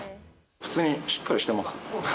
普通にしっかりしてます。